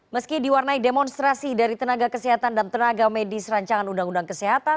meski diwarnai demonstrasi dari tenaga kesehatan dan tenaga medis rancangan undang undang kesehatan